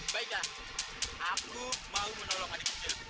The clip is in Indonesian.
baiklah aku mau menolong adik kecil